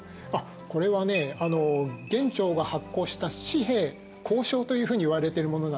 これはね元朝が発行した紙幣交鈔というふうにいわれてるものなんですね。